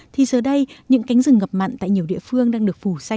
thì giờ đây những cánh rừng ngập mặn tại nhiều địa phương đang được phủ xanh trở lại